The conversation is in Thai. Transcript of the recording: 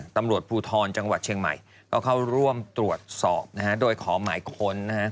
ตำรวจภูทรจังหวัดเชียงใหม่ก็เข้าร่วมตรวจสอบโดยขอหมายค้น